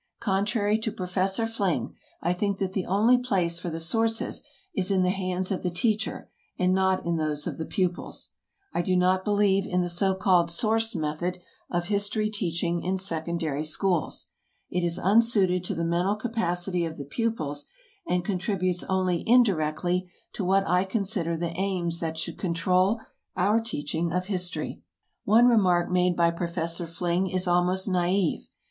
Contrary to Professor Fling, I think that the only place for the "Sources" is in the hands of the teacher and not in those of the pupils; I do not believe in the so called "Source Method" of history teaching in secondary schools; it is unsuited to the mental capacity of the pupils and contributes only indirectly to what I consider the aims that should control our teaching of history. One remark made by Professor Fling is almost naïve.